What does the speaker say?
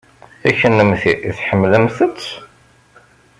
I kennemti, tḥemmlemt-t?